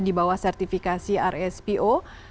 di bawah sertifikasi rspo